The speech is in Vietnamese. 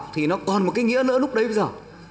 thì nó còn một cái nghĩa nữa lúc đấy bây giờ